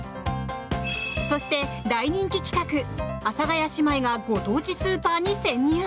そして、大人気企画阿佐ヶ谷姉妹がご当地スーパーに潜入。